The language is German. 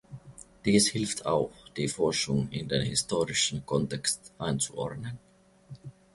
Dies hilft auch, die Forschung in den historischen Kontext einzuordnen.